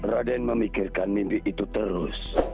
raden memikirkan mimpi itu terus